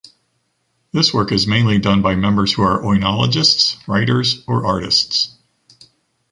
This work is mainly done by members who are oenologists, writers or artists.